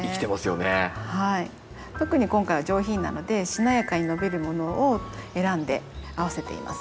特に今回は「上品」なのでしなやかに伸びるものを選んで合わせています。